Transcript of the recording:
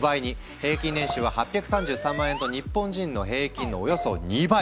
平均年収は８３３万円と日本人の平均のおよそ２倍！